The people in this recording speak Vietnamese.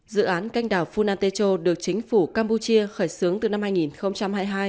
dự án canh đảo funatecho được chính phủ campuchia khởi xướng từ năm hai nghìn hai mươi hai